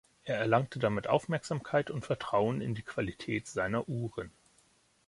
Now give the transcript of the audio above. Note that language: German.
Er erlangte damit Aufmerksamkeit und Vertrauen in die Qualität seiner Uhren.